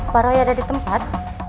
paroi ada di tempat